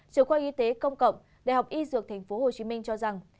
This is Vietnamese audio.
trưởng quan y tế công cộng đại học y dược tp hcm cho rằng